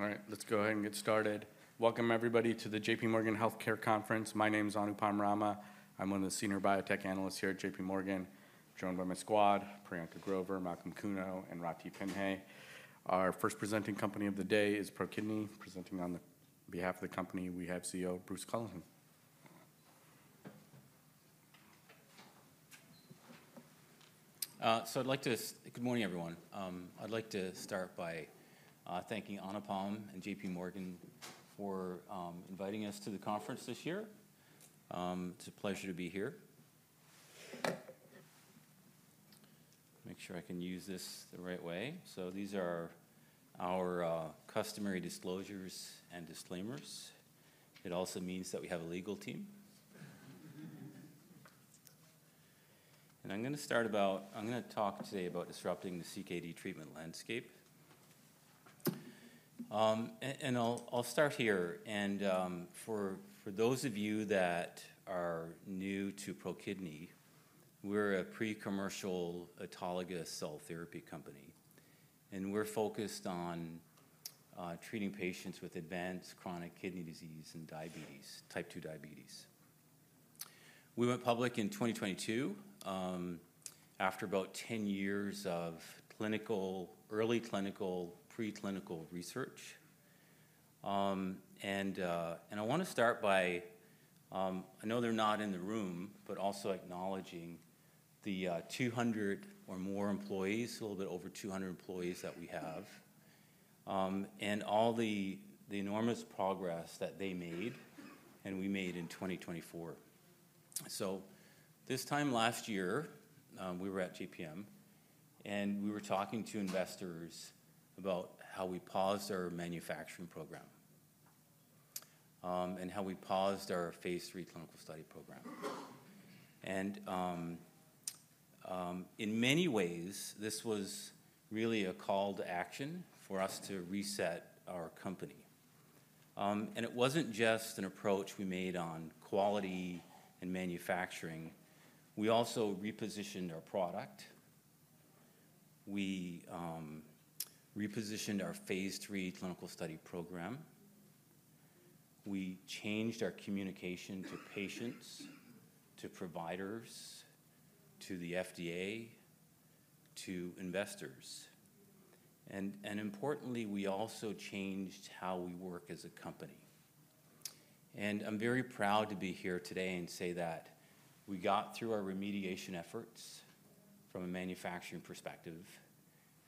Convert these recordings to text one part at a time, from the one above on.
All right, let's go ahead and get started. Welcome, everybody, to the JPMorgan Healthcare Conference. My name is Anupam Rama. I'm one of the senior biotech analysts here at JPMorgan, joined by my squad, Priyanka Grover, Malcolm Kuno, and Arathi Pillai. Our first presenting company of the day is ProKidney, presenting on behalf of the company. We have CEO Bruce Culleton. Good morning, everyone. I'd like to start by thanking Anupam and JPMorgan for inviting us to the conference this year. It's a pleasure to be here. Make sure I can use this the right way. These are our customary disclosures and disclaimers. It also means that we have a legal team. I'm going to talk today about disrupting the CKD treatment landscape. I'll start here. For those of you that are new to ProKidney, we're a pre-commercial autologous cell therapy company. We're focused on treating patients with advanced chronic kidney disease and diabetes, type 2 diabetes. We went public in 2022 after about 10 years of clinical, early clinical, pre-clinical research. And I want to start by (I know they're not in the room) but also acknowledging the 200 or more employees, a little bit over 200 employees that we have, and all the enormous progress that they made and we made in 2024. So this time last year, we were at JPM, and we were talking to investors about how we paused our manufacturing program and how we paused our phase three clinical study program. And in many ways, this was really a call to action for us to reset our company. And it wasn't just an approach we made on quality and manufacturing. We also repositioned our product. We repositioned our phase three clinical study program. We changed our communication to patients, to providers, to the FDA, to investors. And importantly, we also changed how we work as a company. And I'm very proud to be here today and say that we got through our remediation efforts from a manufacturing perspective,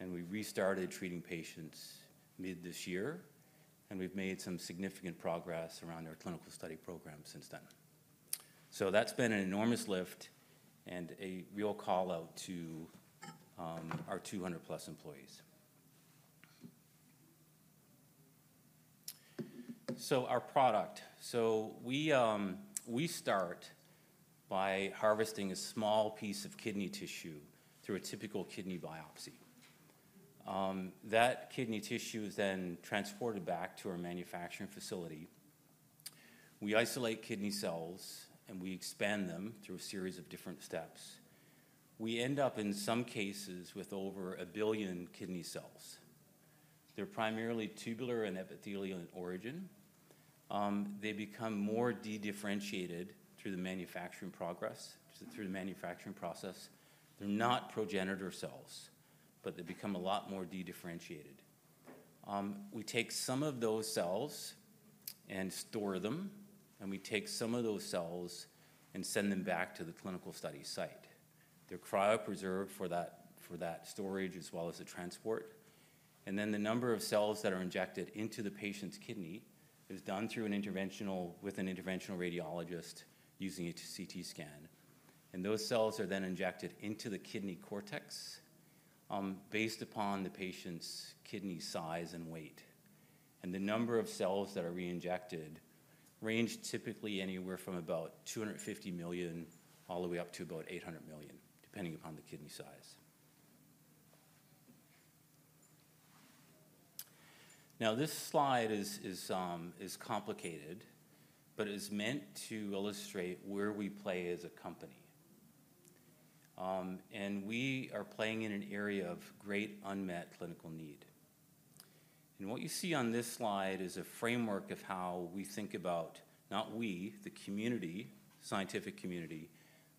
and we restarted treating patients mid this year, and we've made some significant progress around our clinical study program since then. So that's been an enormous lift and a real call out to our 200-plus employees. So our product. So we start by harvesting a small piece of kidney tissue through a typical kidney biopsy. That kidney tissue is then transported back to our manufacturing facility. We isolate kidney cells, and we expand them through a series of different steps. We end up, in some cases, with over a billion kidney cells. They're primarily tubular and epithelial in origin. They become more de-differentiated through the manufacturing progress, through the manufacturing process. They're not progenitor cells, but they become a lot more de-differentiated. We take some of those cells and store them, and we take some of those cells and send them back to the clinical study site. They're cryopreserved for that storage as well as the transport, and then the number of cells that are injected into the patient's kidney is done with an interventional radiologist using a CT scan, and those cells are then injected into the kidney cortex based upon the patient's kidney size and weight, and the number of cells that are re-injected ranges typically anywhere from about 250 million all the way up to about 800 million, depending upon the kidney size. Now, this slide is complicated, but it is meant to illustrate where we play as a company, and we are playing in an area of great unmet clinical need. What you see on this slide is a framework of how we think about, not we, the community, scientific community,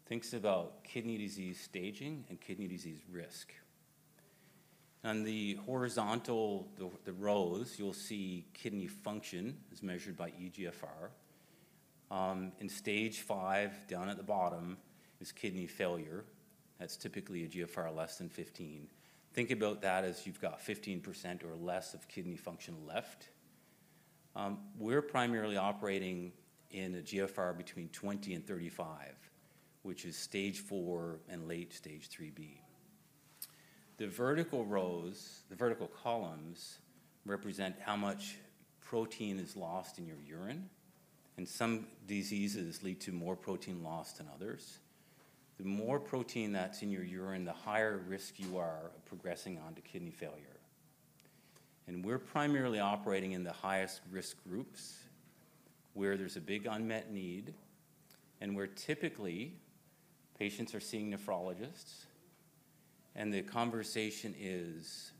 thinks about kidney disease staging and kidney disease risk. On the horizontal, the rows, you'll see kidney function is measured by eGFR. In stage five, down at the bottom, is kidney failure. That's typically a GFR less than 15. Think about that as you've got 15% or less of kidney function left. We're primarily operating in a GFR between 20-35, which is stage four and late stage 3B. The vertical rows, the vertical columns, represent how much protein is lost in your urine. Some diseases lead to more protein loss than others. The more protein that's in your urine, the higher risk you are of progressing on to kidney failure. We're primarily operating in the highest risk groups where there's a big unmet need, and where typically patients are seeing nephrologists. The conversation is,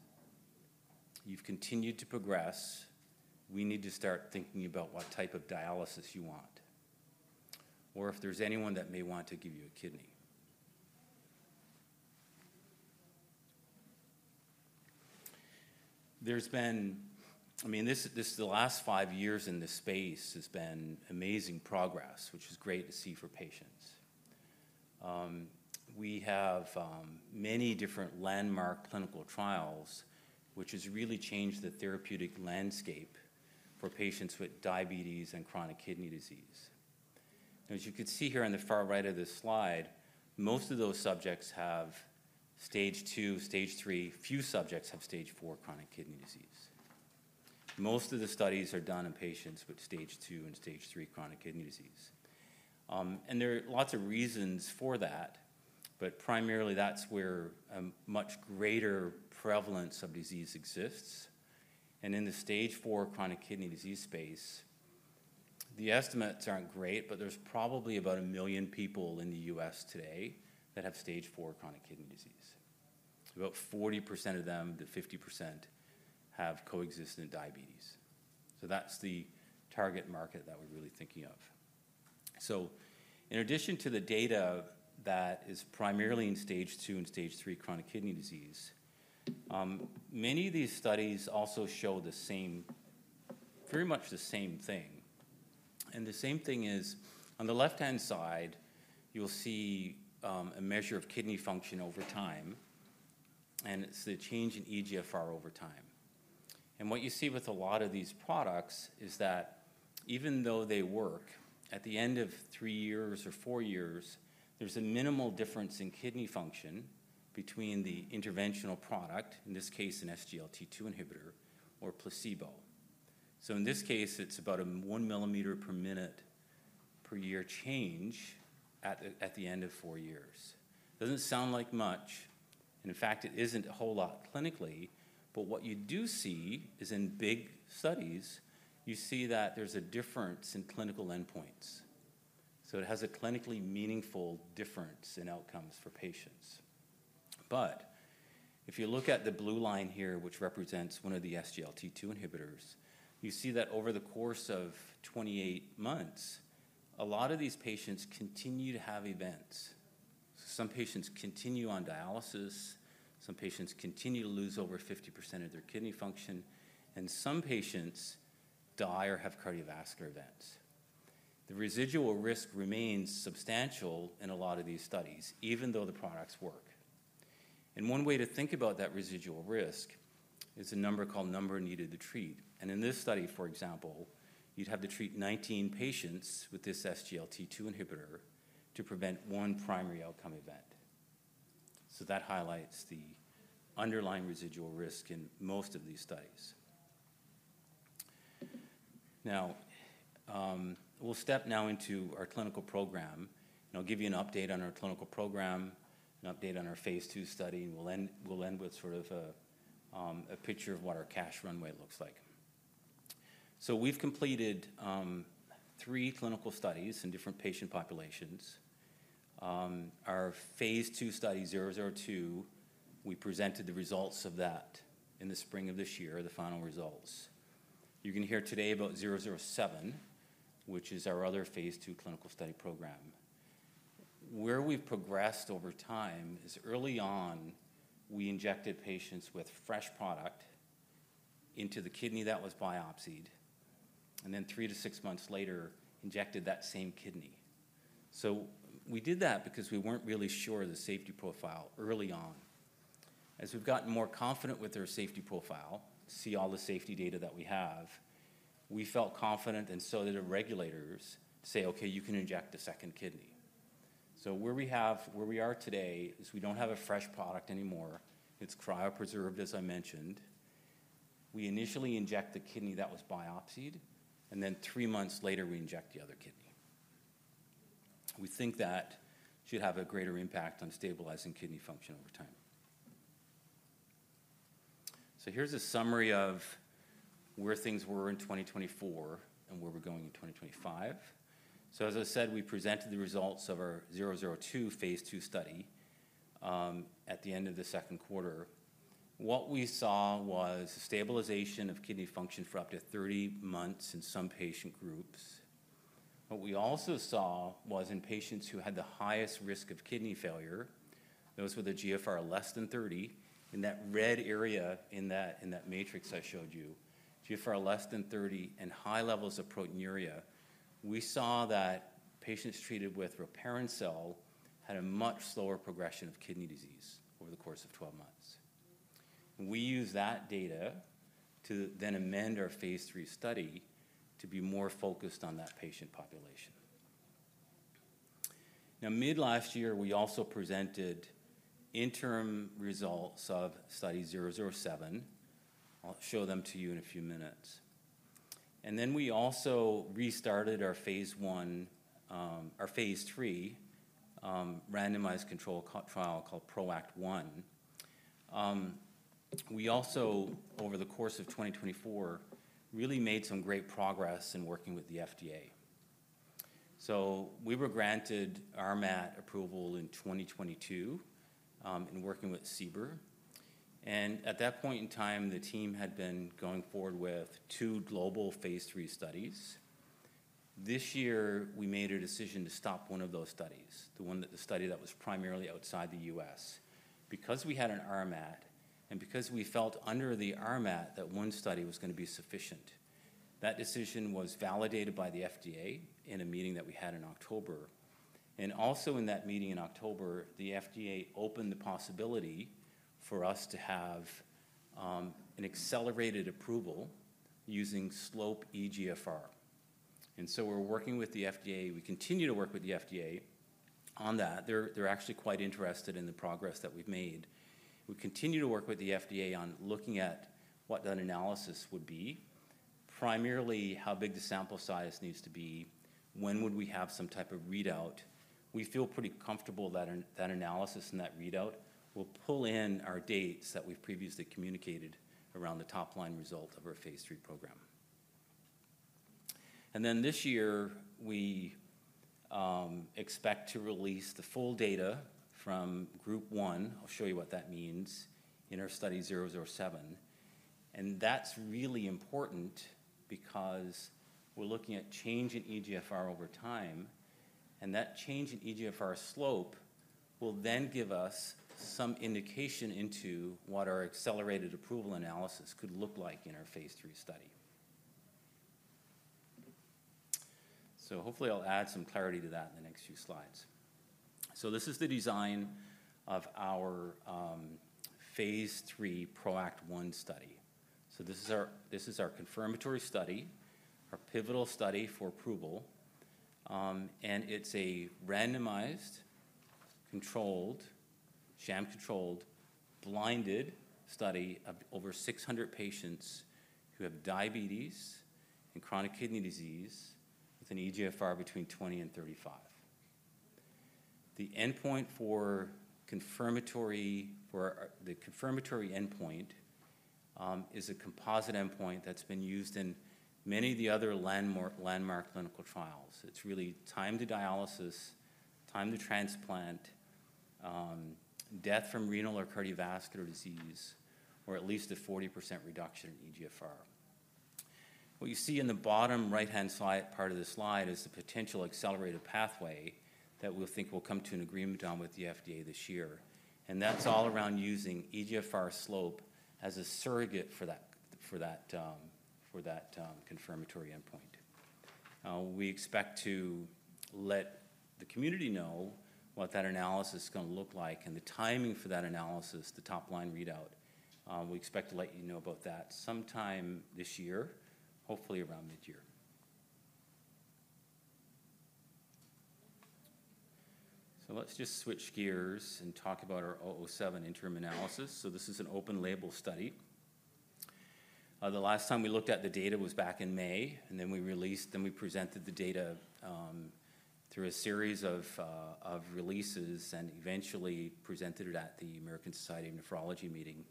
"You've continued to progress. We need to start thinking about what type of dialysis you want, or if there's anyone that may want to give you a kidney." There's been. I mean, this is the last five years in this space has been amazing progress, which is great to see for patients. We have many different landmark clinical trials, which has really changed the therapeutic landscape for patients with diabetes and chronic kidney disease. As you can see here on the far right of this slide, most of those subjects have stage two, stage three. Few subjects have stage four chronic kidney disease. Most of the studies are done in patients with stage two and stage three chronic kidney disease. And there are lots of reasons for that, but primarily that's where a much greater prevalence of disease exists. And in the stage four chronic kidney disease space, the estimates aren't great, but there's probably about a million people in the U.S. today that have stage four chronic kidney disease. About 40% of them, the 50%, have coexistent diabetes. So that's the target market that we're really thinking of. So in addition to the data that is primarily in stage two and stage three chronic kidney disease, many of these studies also show the same, very much the same thing. And the same thing is, on the left-hand side, you'll see a measure of kidney function over time, and it's the change in eGFR over time. What you see with a lot of these products is that even though they work, at the end of three years or four years, there's a minimal difference in kidney function between the interventional product, in this case, an SGLT2 inhibitor or placebo. In this case, it's about a one mL per minute per year change at the end of four years. Doesn't sound like much. In fact, it isn't a whole lot clinically. What you do see is in big studies, you see that there's a difference in clinical endpoints. It has a clinically meaningful difference in outcomes for patients. If you look at the blue line here, which represents one of the SGLT2 inhibitors, you see that over the course of 28 months, a lot of these patients continue to have events. Some patients continue on dialysis. Some patients continue to lose over 50% of their kidney function. And some patients die or have cardiovascular events. The residual risk remains substantial in a lot of these studies, even though the products work. And one way to think about that residual risk is a number called number needed to treat. And in this study, for example, you'd have to treat 19 patients with this SGLT2 inhibitor to prevent one primary outcome event. So that highlights the underlying residual risk in most of these studies. Now, we'll step into our clinical program, and I'll give you an update on our clinical program, an update on our phase two study, and we'll end with sort of a picture of what our cash runway looks like. So we've completed three clinical studies in different patient populations. Our phase two study 002, we presented the results of that in the spring of this year, the final results. You're going to hear today about 007, which is our other phase two clinical study program. Where we've progressed over time is early on, we injected patients with fresh product into the kidney that was biopsied, and then three to six months later, injected that same kidney. So we did that because we weren't really sure of the safety profile early on. As we've gotten more confident with their safety profile, see all the safety data that we have, we felt confident and so did our regulators to say, "Okay, you can inject a second kidney." So where we are today is we don't have a fresh product anymore. It's cryopreserved, as I mentioned. We initially inject the kidney that was biopsied, and then three months later, we inject the other kidney. We think that should have a greater impact on stabilizing kidney function over time. So here's a summary of where things were in 2024 and where we're going in 2025. So as I said, we presented the results of our 002 phase two study at the end of the Q2. What we saw was stabilization of kidney function for up to 30 months in some patient groups. What we also saw was in patients who had the highest risk of kidney failure, those with a GFR less than 30, in that red area in that matrix I showed you, GFR less than 30 and high levels of proteinuria, we saw that patients treated with Rilparencel had a much slower progression of kidney disease over the course of 12 months. We use that data to then amend our phase three study to be more focused on that patient population. Now, mid last year, we also presented interim results of study 007. I'll show them to you in a few minutes. Then we also restarted our phase one or phase three randomized control trial called PROACT 1. We also, over the course of 2024, really made some great progress in working with the FDA. We were granted RMAT approval in 2022 in working with CBER. At that point in time, the team had been going forward with two global phase three studies. This year, we made a decision to stop one of those studies, the study that was primarily outside the U.S. Because we had an RMAT and because we felt under the RMAT that one study was going to be sufficient, that decision was validated by the FDA in a meeting that we had in October, and also in that meeting in October, the FDA opened the possibility for us to have an accelerated approval using slope eGFR, and so we're working with the FDA. We continue to work with the FDA on that. They're actually quite interested in the progress that we've made. We continue to work with the FDA on looking at what that analysis would be, primarily how big the sample size needs to be, when would we have some type of readout. We feel pretty comfortable that analysis and that readout will pull in our dates that we've previously communicated around the top-line result of our phase 3 program. And then this year, we expect to release the full data from group one. I'll show you what that means in our study 007. And that's really important because we're looking at change in eGFR over time, and that change in eGFR slope will then give us some indication into what our accelerated approval analysis could look like in our phase three study. So hopefully, I'll add some clarity to that in the next few slides. So this is the design of our phase three PROACT 1 study. So this is our confirmatory study, our pivotal study for approval. And it's a randomized, controlled, sham-controlled, blinded study of over 600 patients who have diabetes and chronic kidney disease with an eGFR between 20-35. The endpoint for confirmatory endpoint is a composite endpoint that's been used in many of the other landmark clinical trials. It's really time to dialysis, time to transplant, death from renal or cardiovascular disease, or at least a 40% reduction in eGFR. What you see in the bottom right-hand side part of the slide is the potential accelerated pathway that we think will come to an agreement on with the FDA this year, and that's all around using eGFR slope as a surrogate for that confirmatory endpoint. We expect to let the community know what that analysis is going to look like and the timing for that analysis, the top-line readout. We expect to let you know about that sometime this year, hopefully around mid-year, so let's just switch gears and talk about our 007 interim analysis, so this is an open-label study. The last time we looked at the data was back in May, and then we released, then we presented the data through a series of releases and eventually presented it at the American Society of Nephrology meeting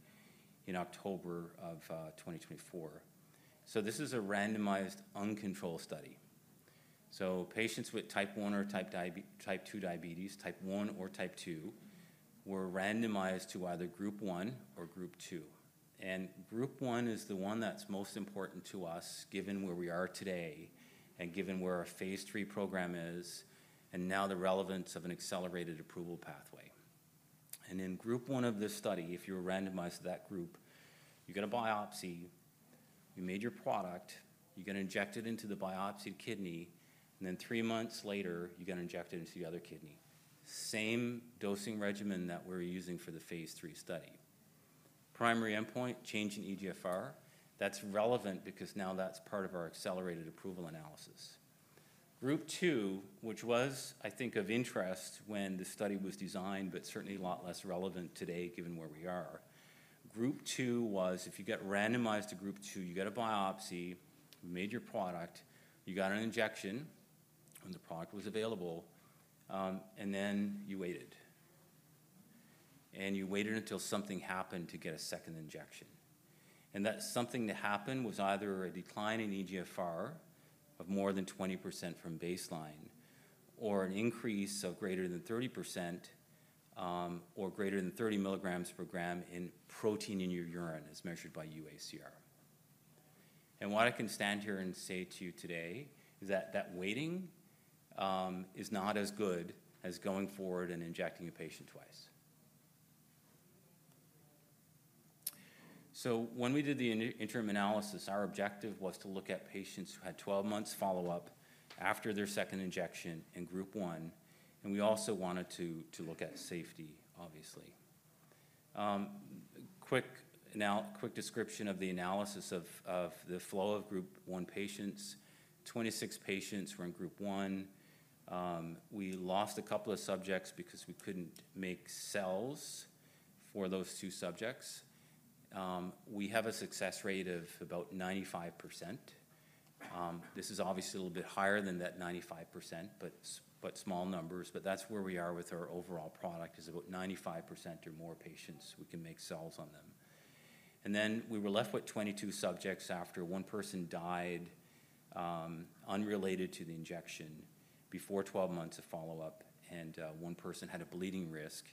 in October of 2024, so this is a randomized, uncontrolled study, so patients with type one or type two diabetes, type one or type two, were randomized to either group one or group two, and group one is the one that's most important to us, given where we are today and given where our phase three program is and now the relevance of an accelerated approval pathway, and in group one of this study, if you were randomized to that group, you get a biopsy, you made your product, you get injected into the biopsied kidney, and then three months later, you get injected into the other kidney. Same dosing regimen that we're using for the phase 3 study. Primary endpoint, change in eGFR. That's relevant because now that's part of our accelerated approval analysis. Group two, which was, I think, of interest when the study was designed, but certainly a lot less relevant today given where we are. Group two was, if you get randomized to group two, you get a biopsy, you made your product, you got an injection when the product was available, and then you waited. And you waited until something happened to get a second injection. And that something that happened was either a decline in eGFR of more than 20% from baseline or an increase of greater than 30% or greater than 30 milligrams per gram in protein in your urine as measured by UACR. And what I can stand here and say to you today is that that waiting is not as good as going forward and injecting a patient twice. So when we did the interim analysis, our objective was to look at patients who had 12 months follow-up after their second injection in group one, and we also wanted to look at safety, obviously. Quick description of the analysis of the flow of group one patients. 26 patients were in group one. We lost a couple of subjects because we couldn't make cells for those two subjects. We have a success rate of about 95%. This is obviously a little bit higher than that 95%, but small numbers. But that's where we are with our overall product is about 95% or more patients. We can make cells on them. And then we were left with 22 subjects after one person died unrelated to the injection before 12 months of follow-up, and one person had a bleeding risk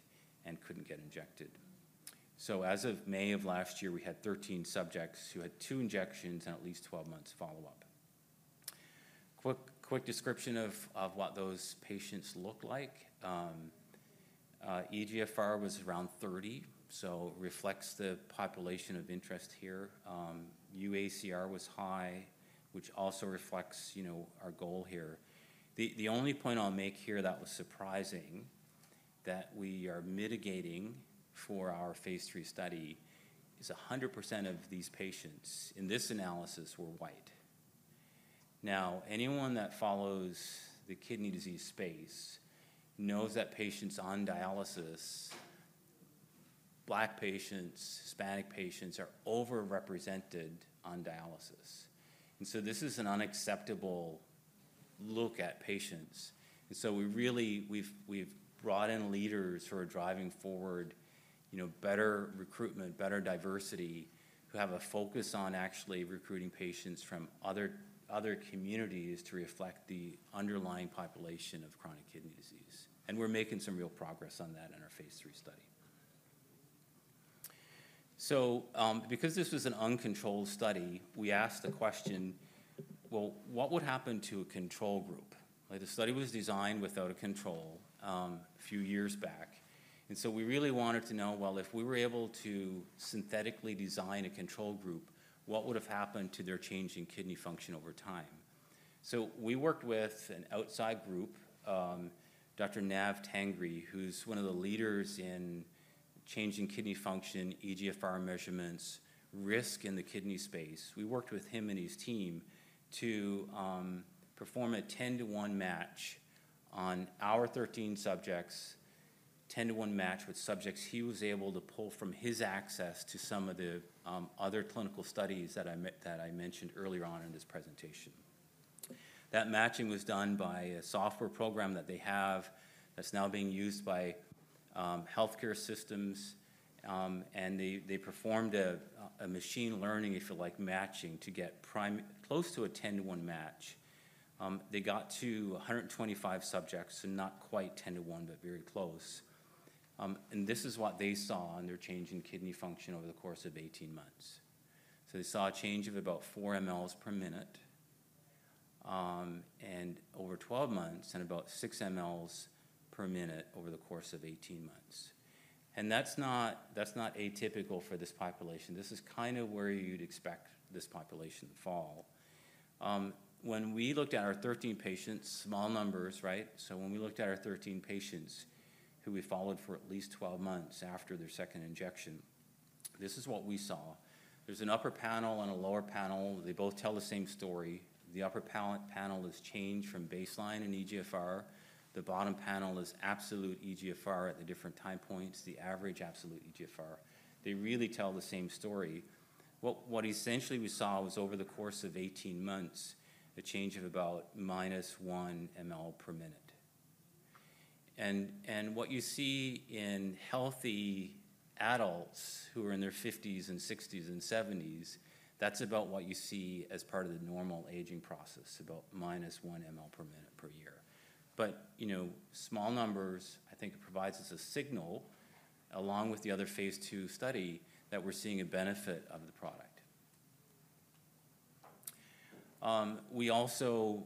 and couldn't get injected. So as of May of last year, we had 13 subjects who had two injections and at least 12 months follow-up. Quick description of what those patients look like. eGFR was around 30, so reflects the population of interest here. UACR was high, which also reflects our goal here. The only point I'll make here that was surprising that we are mitigating for our phase three study is 100% of these patients in this analysis were white. Now, anyone that follows the kidney disease space knows that patients on dialysis, Black patients, Hispanic patients are overrepresented on dialysis. And so this is an unacceptable look at patients. And so we've brought in leaders who are driving forward better recruitment, better diversity, who have a focus on actually recruiting patients from other communities to reflect the underlying population of chronic kidney disease. And we're making some real progress on that in our phase three study. So because this was an uncontrolled study, we asked the question, "Well, what would happen to a control group?" The study was designed without a control a few years back. And so we really wanted to know, well, if we were able to synthetically design a control group, what would have happened to their change in kidney function over time? So we worked with an outside group, Dr. Navdeep Tangri, who's one of the leaders in changing kidney function, eGFR measurements, risk in the kidney space. We worked with him and his team to perform a 10 to 1 match on our 13 subjects, 10 to 1 match with subjects he was able to pull from his access to some of the other clinical studies that I mentioned earlier on in this presentation. That matching was done by a software program that they have that's now being used by healthcare systems, and they performed a machine learning, if you like, matching to get close to a 10 to 1 match. They got to 125 subjects, so not quite 10 to 1, but very close. And this is what they saw in their change in kidney function over the course of 18 months. So they saw a change of about 4 mLs per minute over 12 months and about 6 mLs per minute over the course of 18 months. And that's not atypical for this population. This is kind of where you'd expect this population to fall. When we looked at our 13 patients, small numbers, right? So when we looked at our 13 patients who we followed for at least 12 months after their second injection, this is what we saw. There's an upper panel and a lower panel. They both tell the same story. The upper panel is change from baseline in eGFR. The bottom panel is absolute eGFR at the different time points, the average absolute eGFR. They really tell the same story. What essentially we saw was over the course of 18 months, a change of about minus 1 mL per minute, and what you see in healthy adults who are in their 50s and 60s and 70s, that's about what you see as part of the normal aging process, about minus 1 mL per minute per year. But small numbers, I think, provides us a signal along with the other phase 2 study that we're seeing a benefit of the product. We also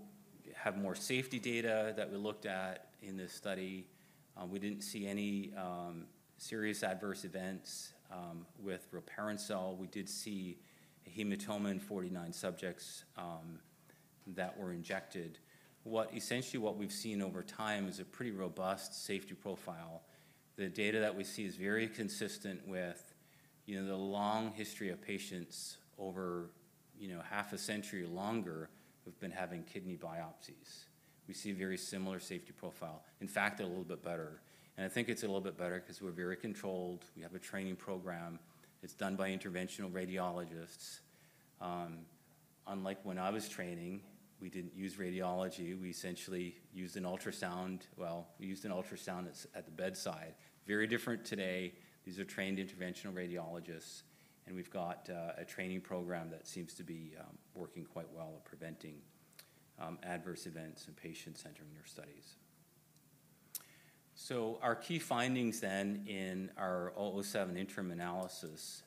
have more safety data that we looked at in this study. We didn't see any serious adverse events with rilparencel. We did see hematoma in 49 subjects that were injected. Essentially, what we've seen over time is a pretty robust safety profile. The data that we see is very consistent with the long history of patients over half a century or longer who've been having kidney biopsies. We see a very similar safety profile. In fact, a little bit better. And I think it's a little bit better because we're very controlled. We have a training program. It's done by interventional radiologists. Unlike when I was training, we didn't use radiology. We essentially used an ultrasound. Well, we used an ultrasound at the bedside. Very different today. These are trained interventional radiologists, and we've got a training program that seems to be working quite well at preventing adverse events in patient-centered in your studies. So our key findings then in our 007 interim analysis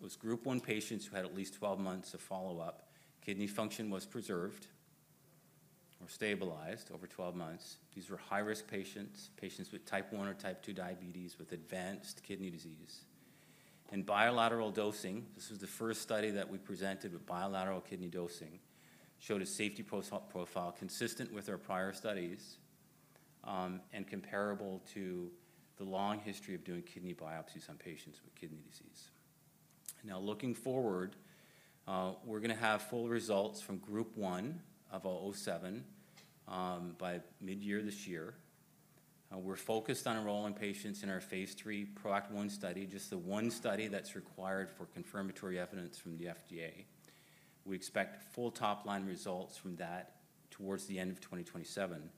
was group one patients who had at least 12 months of follow-up. Kidney function was preserved or stabilized over 12 months. These were high-risk patients, patients with type one or type two diabetes with advanced kidney disease. And bilateral dosing, this was the first study that we presented with bilateral kidney dosing, showed a safety profile consistent with our prior studies and comparable to the long history of doing kidney biopsies on patients with kidney disease. Now, looking forward, we're going to have full results from group one of 007 by mid-year this year. We're focused on enrolling patients in our phase three PROACT 1 study, just the one study that's required for confirmatory evidence from the FDA. We expect full top-line results from that towards the end of 2027.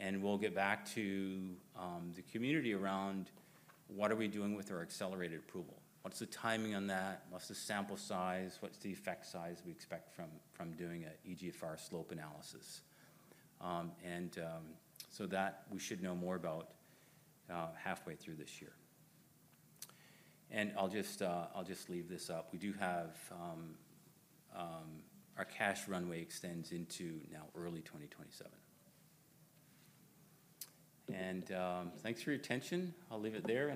And we'll get back to the community around what are we doing with our accelerated approval. What's the timing on that? What's the sample size? What's the effect size we expect from doing an eGFR slope analysis? And so that we should know more about halfway through this year. And I'll just leave this up. We do have our cash runway extends into now early 2027. And thanks for your attention. I'll leave it there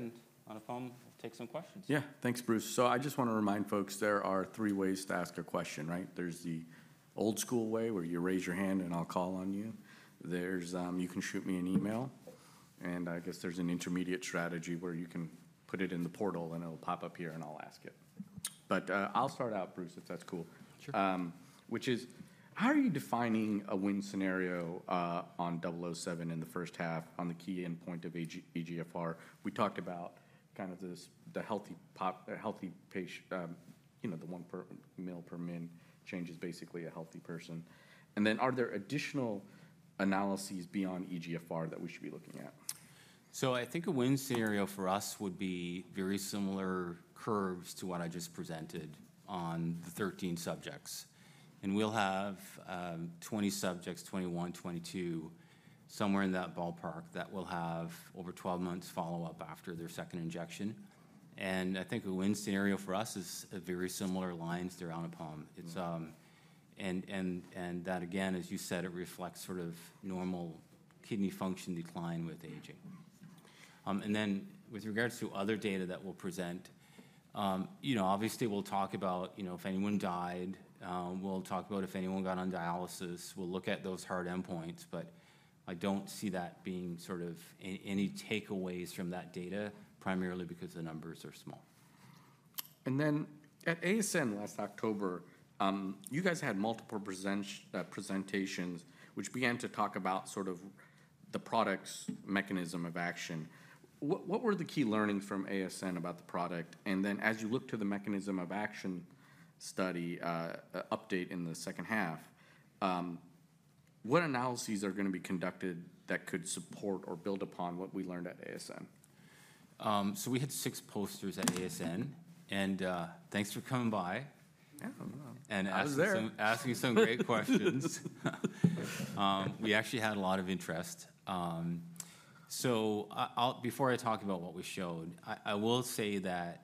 and Anupam, we'll take some questions. Yeah. Thanks, Bruce. So I just want to remind folks there are three ways to ask a question, right? There's the old-school way where you raise your hand and I'll call on you. You can shoot me an email. And I guess there's an intermediate strategy where you can put it in the portal and it'll pop up here and I'll ask it. But I'll start out, Bruce, if that's cool. Sure. Which is, how are you defining a win scenario on 007 in the first half on the key endpoint of eGFR? We talked about kind of the healthy patient, the one mL per minute changes basically a healthy person. And then are there additional analyses beyond eGFR that we should be looking at? I think a win scenario for us would be very similar curves to what I just presented on the 13 subjects. We'll have 20 subjects, 21, 22, somewhere in that ballpark that will have over 12 months follow-up after their second injection. I think a win scenario for us is very similar lines throughout the program. That, again, as you said, it reflects sort of normal kidney function decline with aging. Then with regards to other data that we'll present, obviously, we'll talk about if anyone died. We'll talk about if anyone got on dialysis. We'll look at those hard endpoints, but I don't see that being sort of any takeaways from that data, primarily because the numbers are small. Then at ASN last October, you guys had multiple presentations which began to talk about sort of the product's mechanism of action. What were the key learnings from ASN about the product? Then as you look to the mechanism of action study update in the second half, what analyses are going to be conducted that could support or build upon what we learned at ASN? So we had six posters at ASN, and thanks for coming by. Yeah. I was there. And asking some great questions. We actually had a lot of interest. So before I talk about what we showed, I will say that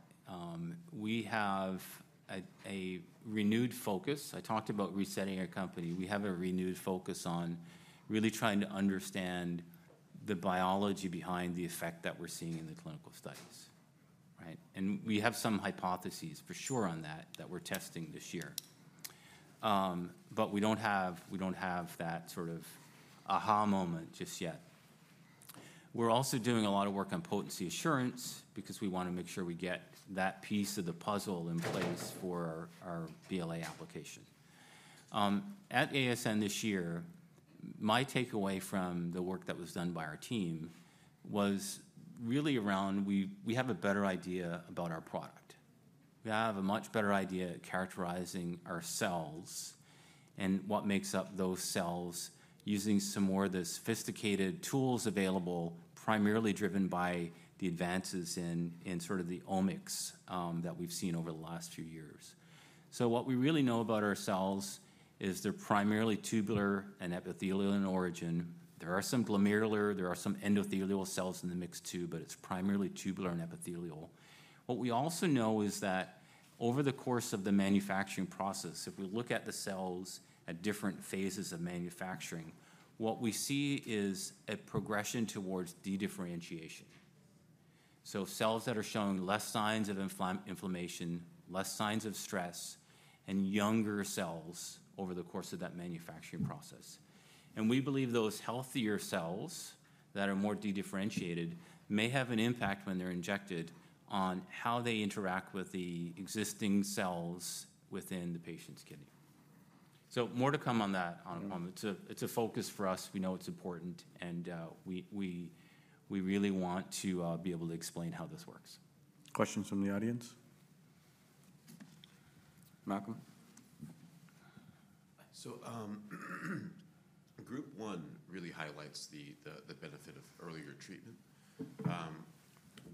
we have a renewed focus. I talked about resetting our company. We have a renewed focus on really trying to understand the biology behind the effect that we're seeing in the clinical studies, right? And we have some hypotheses for sure on that that we're testing this year. But we don't have that sort of aha moment just yet. We're also doing a lot of work on potency assurance because we want to make sure we get that piece of the puzzle in place for our BLA application. At ASN this year, my takeaway from the work that was done by our team was really around we have a better idea about our product. We have a much better idea characterizing our cells and what makes up those cells using some more of the sophisticated tools available, primarily driven by the advances in sort of the omics that we've seen over the last few years. So what we really know about our cells is they're primarily tubular and epithelial in origin. There are some glomerular. There are some endothelial cells in the mix too, but it's primarily tubular and epithelial. What we also know is that over the course of the manufacturing process, if we look at the cells at different phases of manufacturing, what we see is a progression towards de-differentiation. So cells that are showing less signs of inflammation, less signs of stress, and younger cells over the course of that manufacturing process. And we believe those healthier cells that are more de-differentiated may have an impact when they're injected on how they interact with the existing cells within the patient's kidney. So more to come on that. It's a focus for us. We know it's important, and we really want to be able to explain how this works. Questions from the audience? Malcolm? So group one really highlights the benefit of earlier treatment.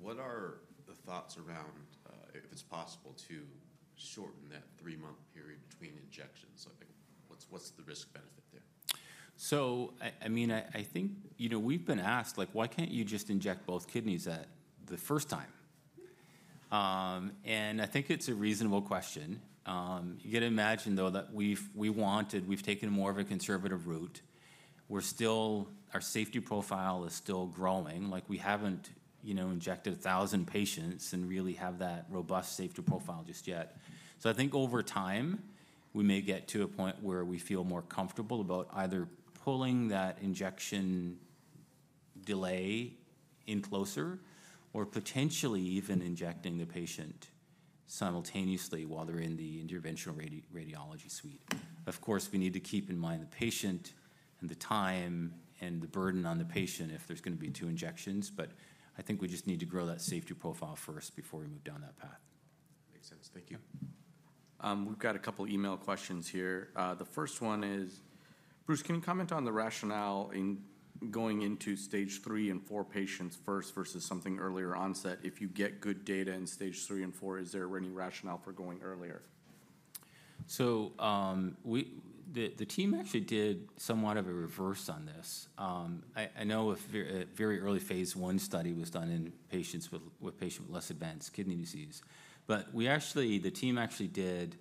What are the thoughts around if it's possible to shorten that three-month period between injections? What's the risk-benefit there? So I mean, I think we've been asked, "Why can't you just inject both kidneys at the first time?" And I think it's a reasonable question. You can imagine, though, that we've taken more of a conservative route. Our safety profile is still growing. We haven't injected 1,000 patients and really have that robust safety profile just yet. So I think over time, we may get to a point where we feel more comfortable about either pulling that injection delay in closer or potentially even injecting the patient simultaneously while they're in the interventional radiology suite. Of course, we need to keep in mind the patient and the time and the burden on the patient if there's going to be two injections. But I think we just need to grow that safety profile first before we move down that path. Makes sense. Thank you. We've got a couple of email questions here. The first one is, Bruce, can you comment on the rationale in going into stage three and four patients first versus something earlier onset? If you get good data in stage three and four, is there any rationale for going earlier? So the team actually did somewhat of a reverse on this. I know a very early phase one study was done in patients with less advanced kidney disease. But the team actually did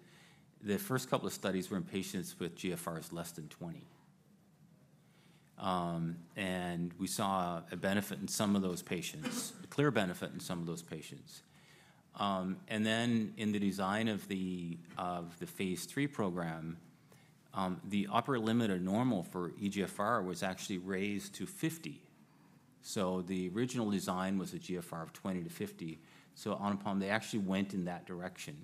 the first couple of studies were in patients with GFRs less than 20. And we saw a benefit in some of those patients, a clear benefit in some of those patients. And then in the design of the phase three program, the upper limit of normal for eGFR was actually raised to 50. So the original design was a GFR of 20 to 50. So Anupam, they actually went in that direction.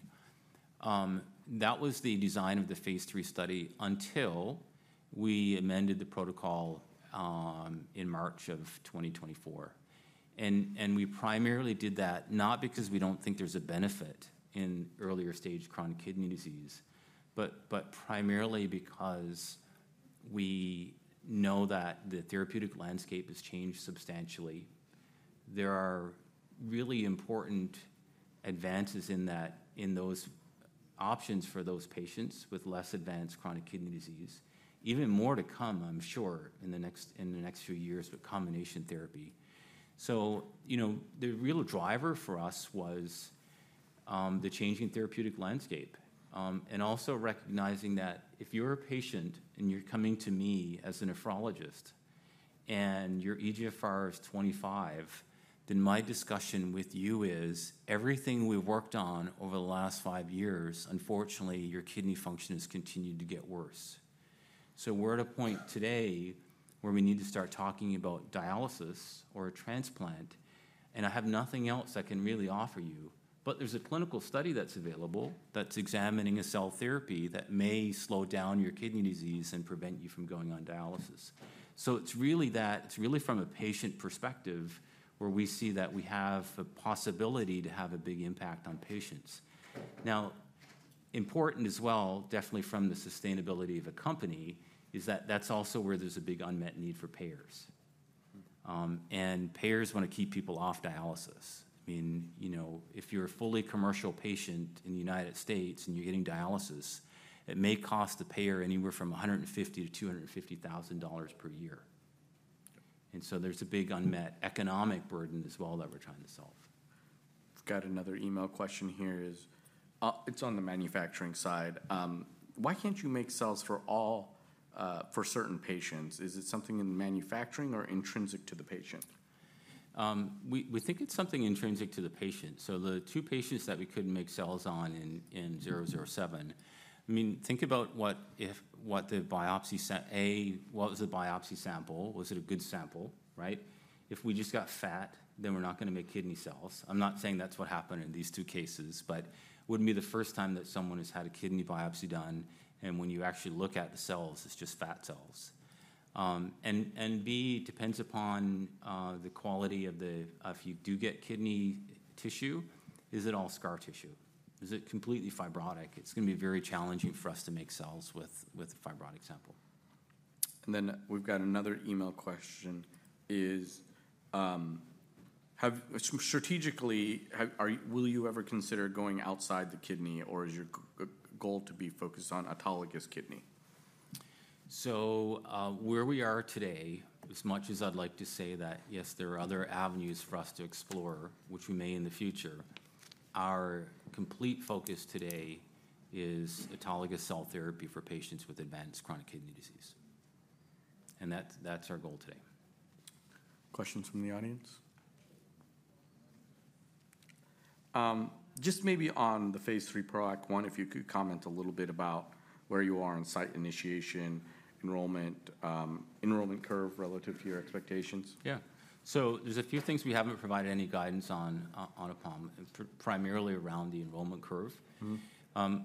That was the design of the phase three study until we amended the protocol in March of 2024. We primarily did that not because we don't think there's a benefit in earlier stage chronic kidney disease, but primarily because we know that the therapeutic landscape has changed substantially. There are really important advances in those options for those patients with less advanced chronic kidney disease, even more to come, I'm sure, in the next few years with combination therapy. The real driver for us was the changing therapeutic landscape and also recognizing that if you're a patient and you're coming to me as a nephrologist and your eGFR is 25, then my discussion with you is everything we've worked on over the last five years, unfortunately, your kidney function has continued to get worse. We're at a point today where we need to start talking about dialysis or a transplant. I have nothing else I can really offer you. But there's a clinical study that's available that's examining a cell therapy that may slow down your kidney disease and prevent you from going on dialysis. So it's really from a patient perspective where we see that we have a possibility to have a big impact on patients. Now, important as well, definitely from the sustainability of a company, is that that's also where there's a big unmet need for payers. And payers want to keep people off dialysis. I mean, if you're a fully commercial patient in the United States and you're getting dialysis, it may cost the payer anywhere from $150,000-$250,000 per year. And so there's a big unmet economic burden as well that we're trying to solve. Got another email question here. It's on the manufacturing side. Why can't you make cells for certain patients? Is it something in the manufacturing or intrinsic to the patient? We think it's something intrinsic to the patient, so the two patients that we couldn't make cells on in 007. I mean, think about what the biopsy set A, what was the biopsy sample? Was it a good sample, right? If we just got fat, then we're not going to make kidney cells. I'm not saying that's what happened in these two cases, but it wouldn't be the first time that someone has had a kidney biopsy done, and when you actually look at the cells, it's just fat cells. And B, depends upon the quality of the if you do get kidney tissue, is it all scar tissue? Is it completely fibrotic? It's going to be very challenging for us to make cells with a fibrotic sample. And then we've got another email question: strategically, will you ever consider going outside the kidney, or is your goal to be focused on autologous kidney? Where we are today, as much as I'd like to say that, yes, there are other avenues for us to explore, which we may in the future. Our complete focus today is autologous cell therapy for patients with advanced chronic kidney disease, and that's our goal today. Questions from the audience? Just maybe on the Phase three PROACT-1, if you could comment a little bit about where you are on site initiation, enrollment, enrollment curve relative to your expectations. Yeah. So there's a few things we haven't provided any guidance on enrollment, primarily around the enrollment curve.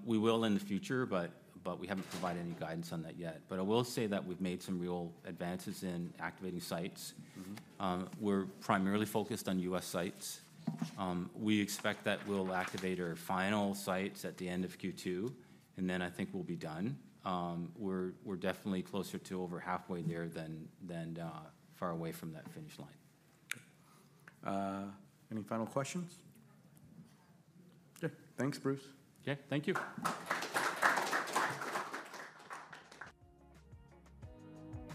We will in the future, but we haven't provided any guidance on that yet. But I will say that we've made some real advances in activating sites. We're primarily focused on U.S. sites. We expect that we'll activate our final sites at the end of Q2, and then I think we'll be done. We're definitely closer to over halfway there than far away from that finish line. Any final questions? Okay. Thanks, Bruce. Okay. Thank you.